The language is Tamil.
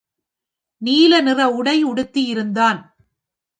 நீலநிற உடை உடுத்தி இருந்தான்.